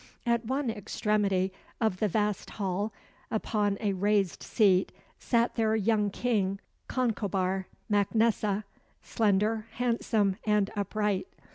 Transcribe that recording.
At one extremity of the vast hall, upon a raised seat, sat their young king, Concobar Mac Nessa, slender, handsome, and upright.